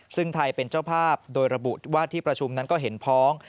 ซึ่งไทยเป็นเจ้าภาพโดยระบุว่าที่ประชุมนั้นก็เห็นพ้อง